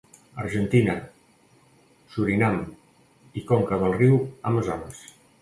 Argentina, Surinam i conca del riu Amazones.